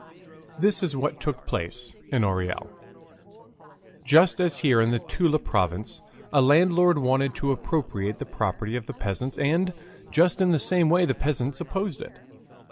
This is what took place in Orel. Just as here in the Toula province, a landlord wanted to appropriate the property of the peasants and just in the same way the peasants opposed it.